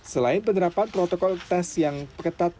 selain penerapan protokol tes yang ketat